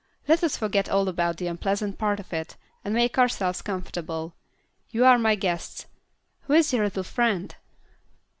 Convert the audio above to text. Let us forget all about the unpleasant part of this, and make ourselves comfortable. You are my guests. Who is your little friend?"